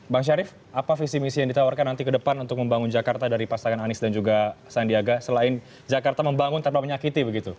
bang syarif apa visi misi yang ditawarkan nanti ke depan untuk membangun jakarta dari pasangan anies dan juga sandiaga selain jakarta membangun tanpa menyakiti begitu